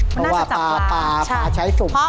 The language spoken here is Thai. เพราะว่าปลาปลาใช้สุ่ม